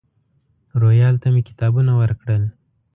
روهیال ته مې کتابونه ورکړل.